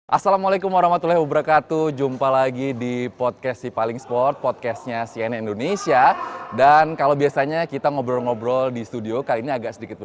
assalamualaikum wr wb